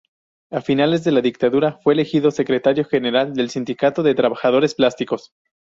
A finales de la dictadura fue elegido secretario general del sindicato de trabajadores plásticos.